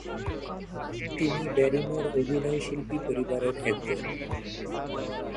তিনি ব্যারিমোর অভিনয়শিল্পী পরিবারের একজন।